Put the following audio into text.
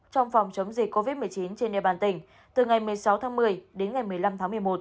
trong phòng chống dịch covid một mươi chín trên địa bàn tỉnh từ ngày một mươi sáu tháng một mươi đến ngày một mươi năm tháng một mươi một